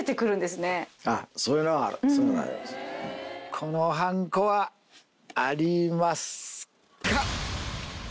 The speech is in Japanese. このはんこはありますか？